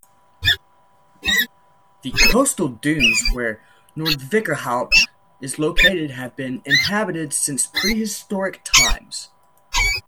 The coastal dunes where Noordwijkerhout is located have been inhabited since prehistoric times.